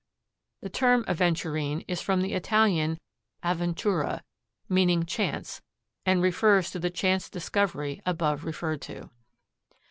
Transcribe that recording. The term aventurine is from the Italian avventura, meaning chance, and refers to the chance discovery above referred to.